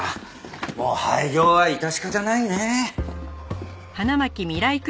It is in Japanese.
もう廃業は致し方ないね。